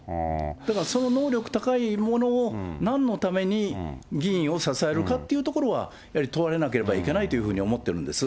だからその能力高いものをなんのために議員を支えるかというところは、問われなければいけないというふうに思ってるんです。